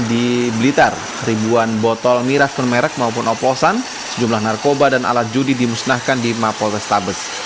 di blitar ribuan botol miras bermerek maupun oplosan sejumlah narkoba dan alat judi dimusnahkan di mapol restabes